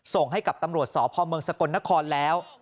ส่งให้กับตำรวจสอบพมสกนครแล้ว